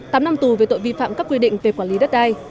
tám năm tù về tội vi phạm các quy định về quản lý đất đai